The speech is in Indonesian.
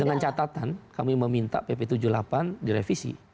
dengan catatan kami meminta pp tujuh puluh delapan direvisi